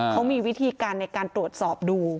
เขามีวิธีการในการตรวจสอบดู